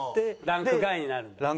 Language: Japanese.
ランク外になるんだ。